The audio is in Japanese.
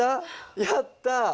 やった！